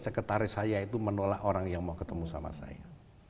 sekretaris saya itu menolak orang yang mau ketemu sama saya